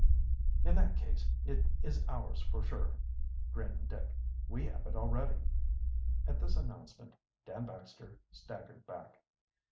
"In that case, it is ours for sure," grinned Dick. "We have it already." At this announcement Dan Baxter staggered back.